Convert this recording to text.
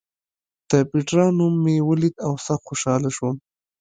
د پېټرا نوم مې ولید او سخت خوشاله شوم.